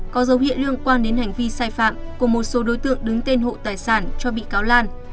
có dấu hiệu liên quan đến hành vi sai phạm của một số đối tượng đứng tên hộ tài sản cho bị cáo lan